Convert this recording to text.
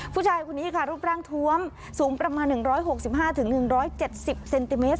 ผู้ชายคนนี้ค่ะรูปร่างท้วมสูงประมาณหนึ่งร้อยหกสิบห้าถึงหนึ่งร้อยเจ็ดสิบเซนติเมตร